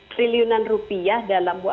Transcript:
triliunan rupiah dalam